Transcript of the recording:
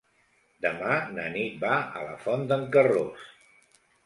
Demà na Nit va a la Font d'en Carròs.